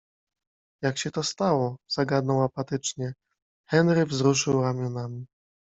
- Jak się to stało? - zagadnął apatycznie. Henry wzruszył ramionami.